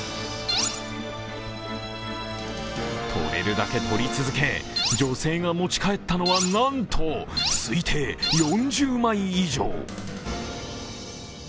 取れるだけ取り続け、女性が持ち帰ったのはなんと推定４０枚以上。